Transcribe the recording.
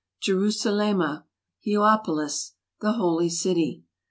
" Gerusalemma!" " Higiopolis!" "The Holy City!